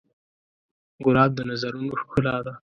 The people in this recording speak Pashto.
ګلاب د نظرونو ښکلا ده.